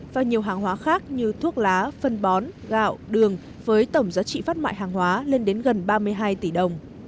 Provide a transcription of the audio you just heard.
và nhiều hàng hóa khác như thuốc lá phân bón gạo đường với tổng giá trị phát mại hàng hóa lên đến gần ba mươi hai tỷ đồng